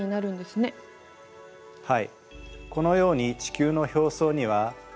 はい。